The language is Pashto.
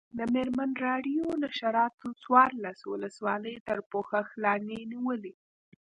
د مېرمن راډیو نشراتو څوارلس ولسوالۍ تر پوښښ لاندې نیولي.